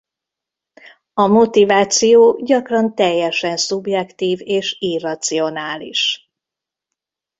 A motiváció gyakran teljesen szubjektív és irracionális.